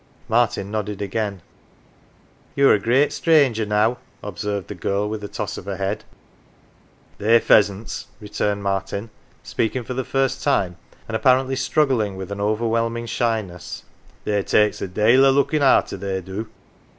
Martin nodded again. "You're a great stranger, now," observed the girl, with a toss of her head. " They pheasants," returned Martin, speaking for the first time, and apparently struggling with an over whelming shyness ;" they takes a dale o 1 looking arter, they do.